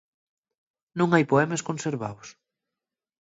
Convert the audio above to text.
Nun hai poemes conservaos.